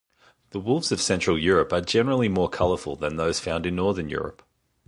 The wolves of central Europe are generally more colorful than those found in northern Europe.